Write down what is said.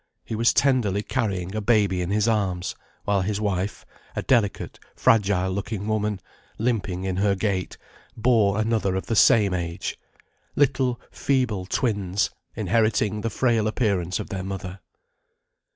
He was tenderly carrying a baby in arms, while his wife, a delicate, fragile looking woman, limping in her gait, bore another of the same age; little, feeble twins, inheriting the frail appearance of their mother.